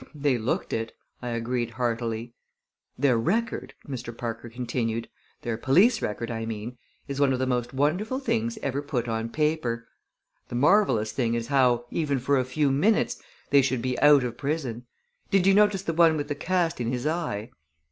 "They looked it," I agreed heartily. "Their record," Mr. Parker continued "their police record, I mean is one of the most wonderful things ever put on paper. The marvelous thing is how, even for a few minutes, they should be out of prison! Did you notice the one with the cast in his eye?"